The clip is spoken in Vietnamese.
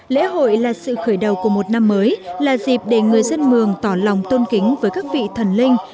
lễ hội là sự khởi đầu của một năm mới là dịp để người dân mường tỏ lòng tôn kính với các vị thần linh